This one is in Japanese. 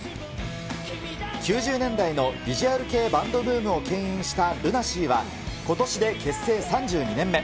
９０年代のビジュアル系バンドブームをけん引したＬＵＮＡＳＥＡはことしで結成３２年目。